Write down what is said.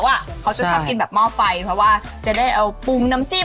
เขาจะชอบกินแบบหม้อไฟเพราะว่าจะได้เอาปรุงน้ำจิ้ม